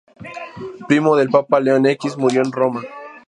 Primo del papa León X, murió en Roma.